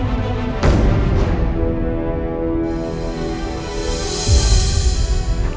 diubahkan pak kawar